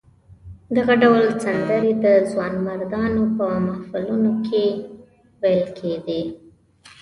دغه ډول سندرې د ځوانمردانو په محفلونو کې ویل کېدې.